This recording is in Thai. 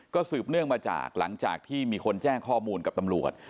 สืบเนื่องมาจากหลังจากที่มีคนแจ้งข้อมูลกับตำรวจ